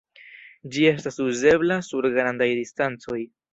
Ĝi estas uzebla sur grandaj distancoj.